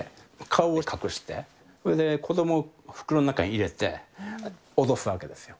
顔を隠して、それで子どもを袋の中に入れて、脅すわけですよ。